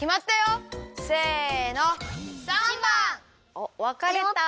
おっわかれた。